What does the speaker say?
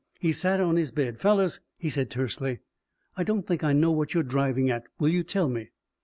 He sat on his bed. "Fellows," he said tersely, "I don't think I know what you're driving at. Will you tell me?"